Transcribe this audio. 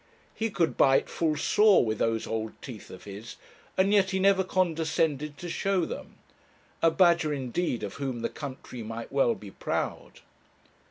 He could bite full sore with those old teeth of his, and yet he never condescended to show them. A badger indeed of whom the country might well be proud!